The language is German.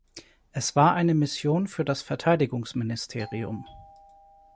Es war eine Mission für das Verteidigungsministerium.